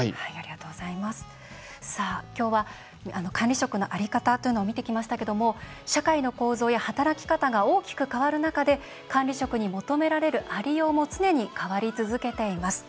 今日は管理職の在り方というのを見てきましたけれども社会の構造や働き方が大きく変わる中で管理職に求められる、ありようも常に変わり続けています。